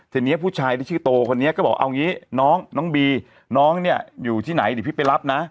เสร็จนี้ผู้ชายที่ชื่อโตคนนี้ก็บอกเอาอย่างงี้น้องน้องบีน้องเนี่ยอยู่ที่ไหนดิพี่ไปรับนะ